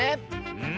うん。